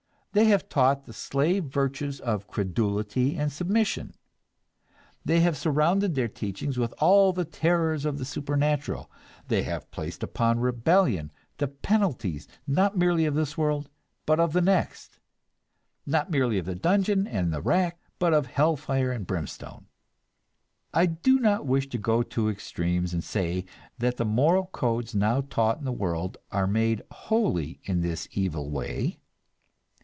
They have taught the slave virtues of credulity and submission; they have surrounded their teachings with all the terrors of the supernatural; they have placed upon rebellion the penalties, not merely of this world, but of the next, not merely of the dungeon and the rack, but of hellfire and brimstone. I do not wish to go to extremes and say that the moral codes now taught in the world are made wholly in this evil way.